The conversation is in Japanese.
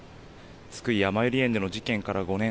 津久井やまゆり園での事件から５年。